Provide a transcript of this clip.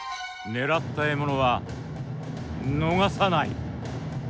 狙った獲物は逃さない。